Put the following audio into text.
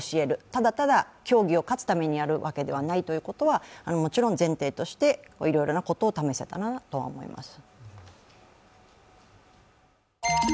ただただ競技に勝つためにやるということではないということは、もちろん前提としていろいろなことを試せるかと思います。